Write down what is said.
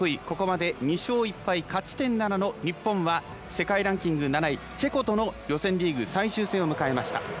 ここまで２勝１敗勝ち点７の日本は世界ランク７位チェコとの予選リーグ最終戦を迎えました。